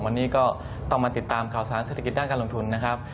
วันนี้ก็ต้องมาติดตามข่าวสารเศรษฐกิจด้านการลงทุนนะครับ